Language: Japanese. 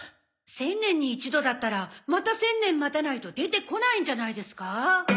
千年に一度だったらまた千年待たないと出てこないんじゃないですか？